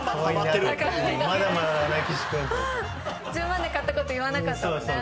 １０万で買ったこと言わなかったもんね。